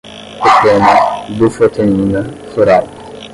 epena, bufotenina, floral